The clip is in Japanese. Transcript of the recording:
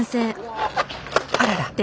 あらら。